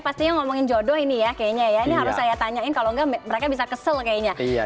pastinya ngomongin jodoh ini ya kayaknya ya ini harus saya tanyain kalau enggak mereka bisa kesel kayaknya